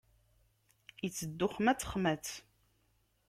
Iteddu xmat, xmat.